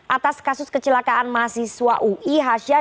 atas kasus kecelakaan mahasiswa ui hasyah